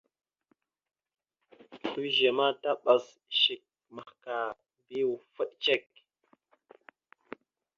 Slʉze ma taɓas shek mahəkar bi ufaɗ cek.